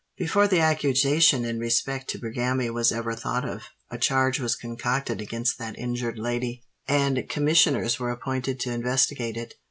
Before the accusation in respect to Bergami was ever thought of, a charge was concocted against that injured lady, and commissioners were appointed to investigate it.